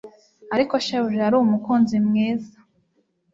Ariko shebuja yari umukunzi mwiza